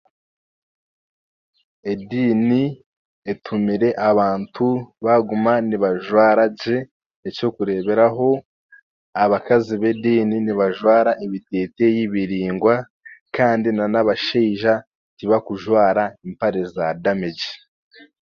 Ediini etumiire abantu baguma nibajwaara gye eky'okureberaho, abakaazi b'ediini nibajwaara ebiteteeyi biringwa kandi na n'abasheija tibakujwaara mpare za damage.